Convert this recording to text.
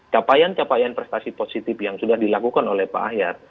capaian capaian prestasi positif yang sudah dilakukan oleh pak ahyar